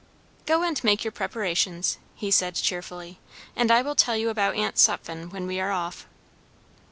"Go and make your preparations," he said cheerfully; "and I will tell you about Aunt Sutphen when we are off."